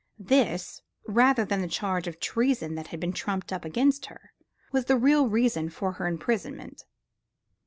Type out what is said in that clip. This, rather than the charge of treason that had been trumped up against her, was the real reason for her imprisonment.